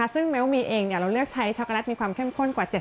ซึ่งเมลมีเองเราเลือกใช้ช็อกโกแลตมีความเข้มข้นกว่า๗๐